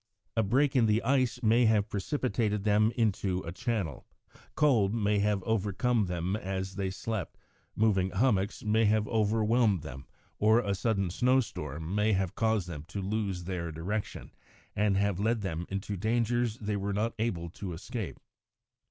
A break in the ice may have precipitated them into a channel; cold may have overcome them as they slept; moving hummocks may have overwhelmed them, or a sudden snow storm may have caused them to lose their direction, and have led them into dangers they were not able to escape.